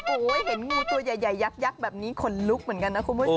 โอ้โหเห็นงูตัวใหญ่ยักษ์แบบนี้ขนลุกเหมือนกันนะคุณผู้ชม